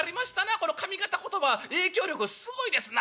この上方言葉影響力はすごいですな。